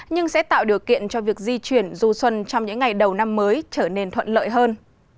nhưng sẽ tạo điều kiện cho việc di chuyển du xuân trong những ngày đầu năm mới trở nên thuận lợi hơn